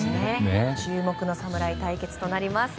注目の侍対決となります。